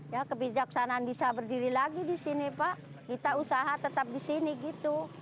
ya kebijaksanaan bisa berdiri lagi di sini pak kita usaha tetap di sini gitu